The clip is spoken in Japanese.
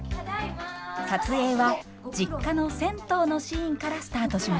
撮影は実家の銭湯のシーンからスタートしました。